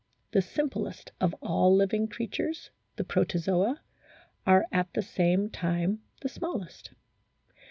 The simplest of all living creatures, the Protozoa, are at the same time the smallest.